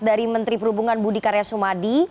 dari menteri perhubungan budi karya sumadi